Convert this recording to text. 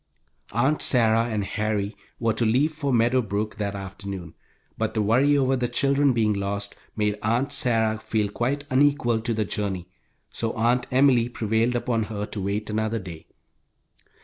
Aunt Sarah and Harry were to leave for Meadow Brook that afternoon, but the worry over the children being lost made Aunt Sarah feel quite unequal to the journey, so Aunt Emily prevailed upon her to wait another day.